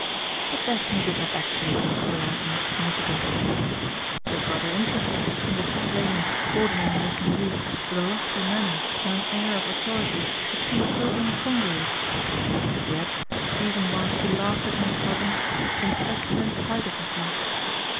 But Daphne did not actually consider him insignificant at all. She was rather interested in this plain, ordinary looking youth with a lofty manner and an air of authority that seemed so incongruous, and yet, even while she laughed at him for them, impressed her in spite of herself.